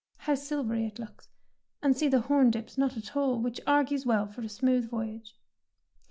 How silvery it looks, and see the horn dips not at all, which argues well for a smooth voyage.